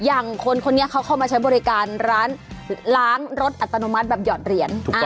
อย่างคนคนนี้เขาเข้ามาใช้บริการร้านล้างรถอัตโนมัติแบบหยอดเหรียญ